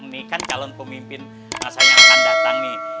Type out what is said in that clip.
ini kan calon pemimpin rasanya akan datang nih